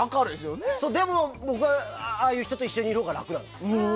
でも、僕はああいう人と一緒にいるほうが楽なんですよ。